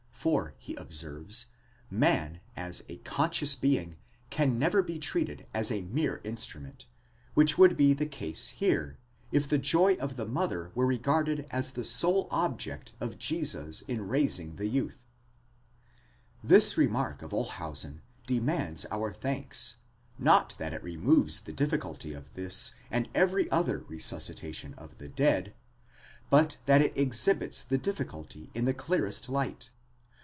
For, he observes, man as a conscious being can never be treated as a mere instrument, which would be the case here, if the joy of the mother were regarded as the sole object of Jesus in raising the youth,*4 This remark of Olshausen demands our thanks, not that it removes the difficulty of this and every other resuscitation of the dead, but that it exhibits that difficulty in the clearest light.